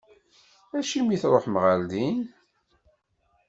Acimi i tṛuḥem ɣer din?